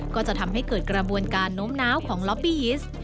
ก็จะทำให้เกิดกระบวนการโน้มน้าวของล็อบปี้ยิสต์